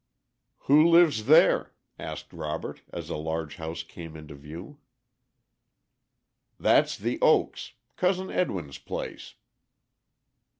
"Who lives there?" asked Robert, as a large house came into view. "That's The Oaks, Cousin Edwin's place."